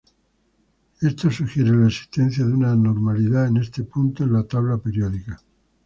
Esto sugiere la existencia de una anormalidad en este punto en la tabla periódica.